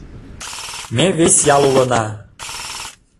Ме вес ял улына.